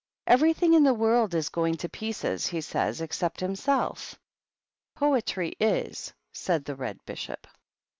Everything in the world is going to pieces, he says, except himself." "Poetry is," said the Red Bishop.